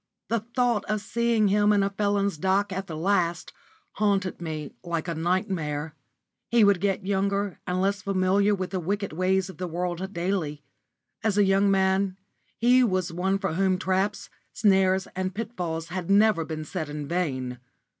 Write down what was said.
The thought of seeing him in a felon's dock at the last haunted me like a nightmare. He would get younger and less familiar with the wicked ways of the world daily. As a young man, he was one for whom traps, snares, and pitfalls had never been set in vain.